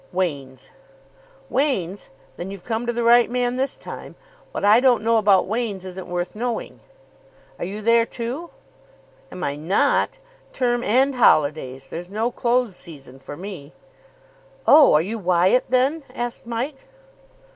"Wain's." "Wain's? Then you've come to the right man this time. What I don't know about Wain's isn't worth knowing." "Are you there, too?" "Am I not! Term and holidays. There's no close season for me." "Oh, are you Wyatt, then?" asked Mike.